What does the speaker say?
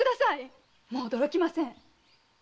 もう驚きません。